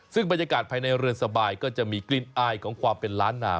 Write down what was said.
ซึ่งบรรยากาศภายในเรือนสบายก็จะมีกลิ่นอายของความเป็นล้านนา